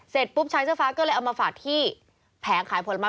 เสร็จปุ๊บชายเสื้อฟ้าก็เลยเอามาฝากที่แผงขายผลไม้